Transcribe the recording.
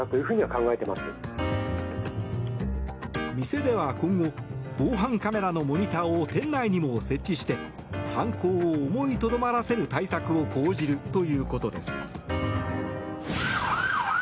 店では今後防犯カメラのモニターを店内にも設置して犯行を思いとどまらせる対策を講じるということです。